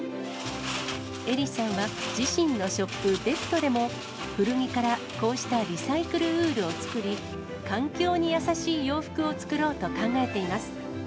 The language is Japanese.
エリさんは、自身のショップ、デプトでも、古着からこうしたリサイクルウールを作り、環境に優しい洋服を作ろうと考えています。